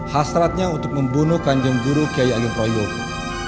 hasratnya untuk membunuh kanjeng guru kyai ageng prohiyoku